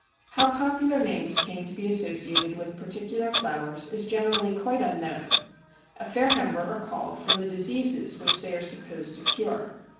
How popular names came to be associated with particular flowers is generally quite unknown. A fair number are called from the diseases which they are supposed to cure.